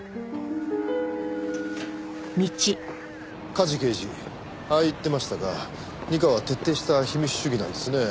梶刑事ああ言ってましたが二課は徹底した秘密主義なんですよね。